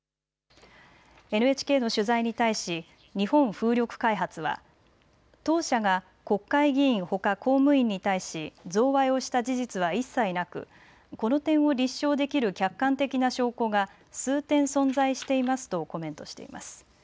ＮＨＫの取材に対し日本風力開発は当社が国会議員ほか公務員に対し贈賄をした事実は一切なくこの点を立証できる客観的な証拠が数点存在していますとコメントしています。